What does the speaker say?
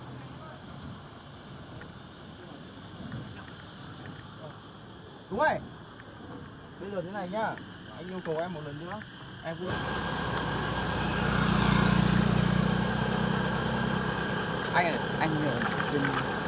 để lượn thế này nha